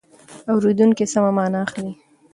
اورېدونکی سمه مانا اخلي.